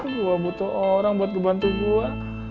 gue butuh orang buat kebantu gue